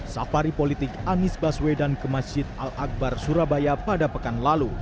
safari politik anies baswedan ke masjid al akbar surabaya pada pekan lalu